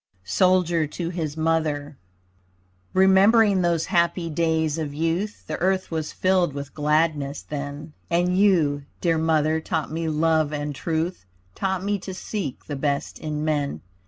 SOLDIER TO HIS MOTHER Remembering those happy days of youth The earth was filled with gladness then, And you, dear Mother, taught me love and truth, Taught me to seek the best in men.